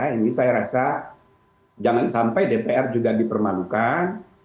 ini saya rasa jangan sampai dpr juga dipermalukan